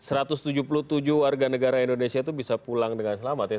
satu ratus tujuh puluh tujuh warga negara indonesia itu bisa pulang dengan selamat ya